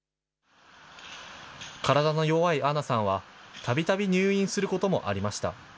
体の弱いアナさんは、たびたび入院することもありました。